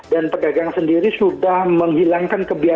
dan pedagang sendiri sudah menghilangkan kemampuan